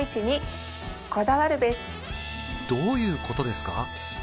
どういうことですか？